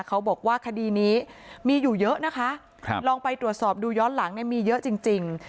เขาบอกว่าคดีนี้มีอยู่เยอะนะคะลองไปตรวจสอบดูย้อนหลังเนี่ยมีเยอะจริง